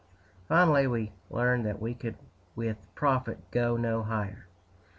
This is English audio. Finally, we learned that we could with profit go no higher.